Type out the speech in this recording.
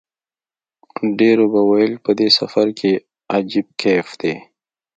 ډېرو به ویل په دې سفر کې عجیب کیف دی.